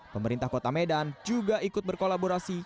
pemerintah kota medan juga ikut berkolaborasi